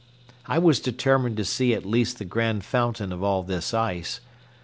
I was determined to see at least the grand fountain of all this ice.